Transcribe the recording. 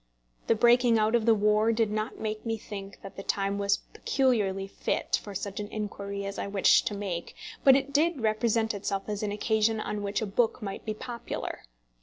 The breaking out of the war did not make me think that the time was peculiarly fit for such inquiry as I wished to make, but it did represent itself as an occasion on which a book might be popular.